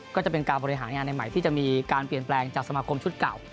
ก็จะเป็นการบริหารงานในใหม่ที่จะมีการเปลี่ยนแปลงจากสมาคมชุดเก่า